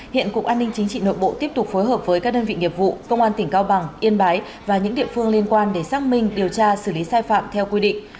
hiện cục an ninh chính trị nội bộ tiếp tục phối hợp với các đơn vị nghiệp vụ công an tỉnh cao bằng yên bái và những địa phương liên quan để xác minh điều tra xử lý sai phạm theo quy định